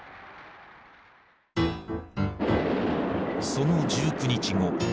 その１９日後。